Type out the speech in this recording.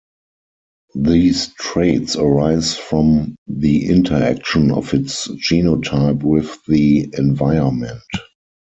These traits arise from the interaction of its genotype with the environment.